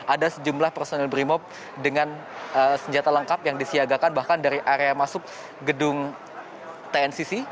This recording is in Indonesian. ada sejumlah personil brimop dengan senjata lengkap yang disiagakan bahkan dari area masuk gedung tncc